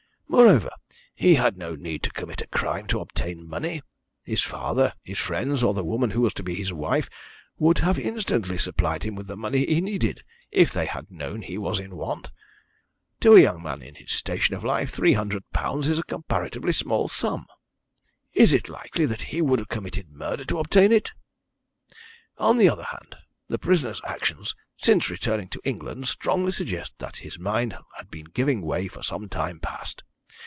Moreover, he had no need to commit a crime to obtain money. His father, his friends, or the woman who was to be his wife, would have instantly supplied him with the money he needed, if they had known he was in want. To a young man in his station of life £300 is a comparatively small sum. Is it likely that he would have committed murder to obtain it?" "On the other hand, the prisoner's actions, since returning to England, strongly suggest that his mind has been giving way for some time past.